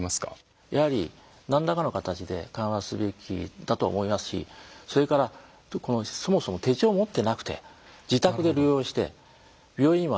やはり何らかの形で緩和すべきだと思いますしそれからそもそも手帳を持ってなくて自宅で療養して病院にも入ってない。